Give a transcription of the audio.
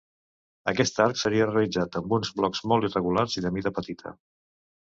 Aquest arc seria realitzat amb uns blocs molt irregulars i de mida petita.